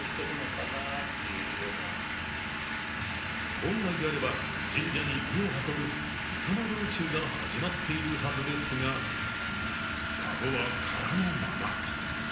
本来であれば、神社に鵜を運ぶ鵜様道中が始まっているはずですがかごは空のまま。